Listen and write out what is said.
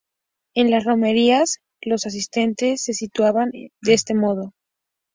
En las romerías los asistentes se situaban de este modo.